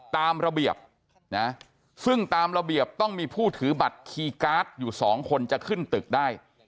ตามระเบียบนะซึ่งตามระเบียบต้องมีผู้ถือบัตรคีย์การ์ดอยู่สองคนจะขึ้นตึกได้